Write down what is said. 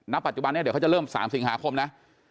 ปัจจุบันนี้เดี๋ยวเขาจะเริ่ม๓สิงหาคมนะ